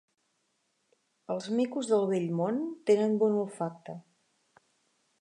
Els micos del Vell Món tenen bon olfacte.